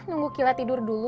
nunggu kilat tidur dulu